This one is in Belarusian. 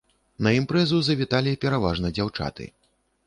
На імпрэзу завіталі пераважна дзяўчаты.